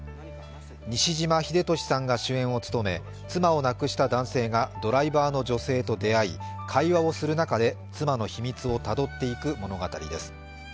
西島秀俊さんが主演を務め妻を亡くした男性がドライバーの女性と出会い、会話をする中で妻の秘密をたどっていく物語です。